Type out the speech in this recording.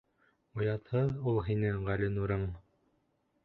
Оятһыҙ ул һинең Ғәлинурың!